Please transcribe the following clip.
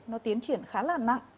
nó tiến triển khá là nặng